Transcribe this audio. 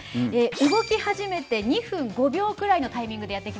動き始めて２分５秒くらいのタイミングでやって来ます。